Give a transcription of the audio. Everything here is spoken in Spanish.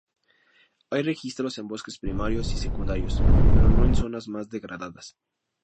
Hay registros en bosques primarios y secundarios, pero no en zonas más degradadas.